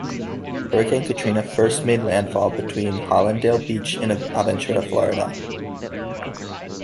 Hurricane Katrina first made landfall between Hallandale Beach and Aventura, Florida.